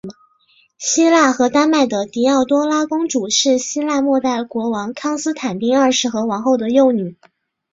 希腊和丹麦的狄奥多拉公主是希腊未代国王康斯坦丁二世和王后的幼女。